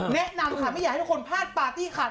แนะนำค่ะไม่อยากให้ทุกคนพลาดปาร์ตี้คัน